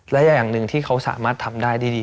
และอย่างหนึ่งที่เขาสามารถทำได้ดี